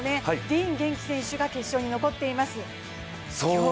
ディーン元気選手が決勝に残っています。